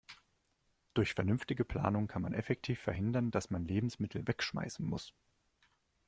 Durch vernünftige Planung kann man effektiv verhindern, dass man Lebensmittel wegschmeißen muss.